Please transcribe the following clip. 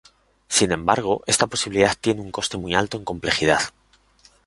Sin embargo, esta posibilidad tiene un coste muy alto en complejidad.